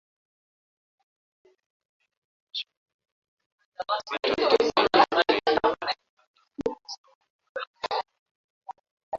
kumi na mbili hadi shilingi elfu mbili mia sita tisini na mbili za Tanzania sawa na dola mmoja